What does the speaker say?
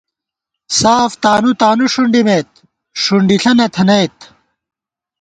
ساف تانُو تانُو ݭُنڈِمېت، ݭُنڈِݪہ نہ تھنَئیت